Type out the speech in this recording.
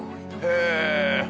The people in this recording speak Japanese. へえ。